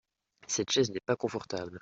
cette chaise n'est pas confortable.